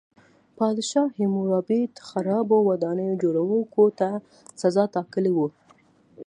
پادشاه هیمورابي د خرابو ودانیو جوړوونکو ته سزا ټاکلې وه.